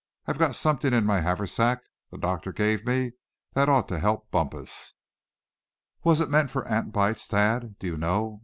I've got something in my haversack the doctor gave me, that ought to help Bumpus." "Was it meant for ant bites, Thad, do you know?"